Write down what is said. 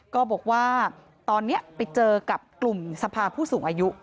ก็บอกว่าตอนนี้ไปเจอกับกลุ่มสภาผู้สูงอายุ